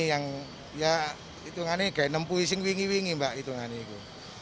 yang ya hitungannya kayak enam puluh ising wingi wingi mbak hitungannya itu